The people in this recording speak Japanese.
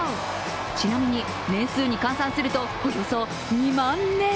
ちなみに、年数に換算するとおよそ２万年。